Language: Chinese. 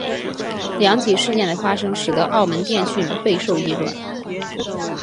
两起事件的发生使得澳门电讯备受议论。